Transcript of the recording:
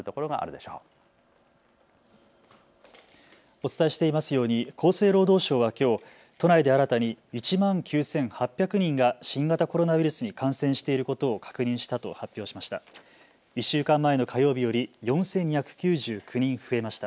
お伝えしていますように厚生労働省はきょう都内で新たに１万９８００人が新型コロナウイルスに感染していることを確認したと発表しました。